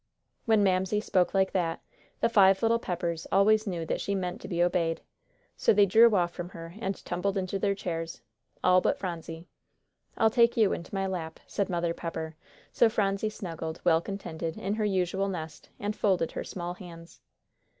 When Mamsie spoke like that, the five little Peppers always knew that she meant to be obeyed, so they drew off from her and tumbled into their chairs; all but Phronsie. "I'll take you into my lap," said Mother Pepper, so Phronsie snuggled, well contented, in her usual nest, and folded her small hands.